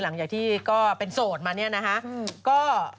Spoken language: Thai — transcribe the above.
หลังจากที่ก็เป็นโสดมาเนี่ยนะคะ